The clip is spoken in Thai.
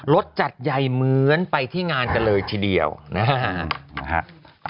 สจัดใหญ่เหมือนไปที่งานกันเลยทีเดียวนะฮะ